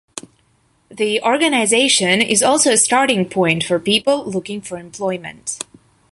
The organization is also a starting point for people looking for employment.